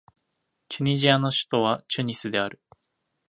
チュニジアの首都はチュニスである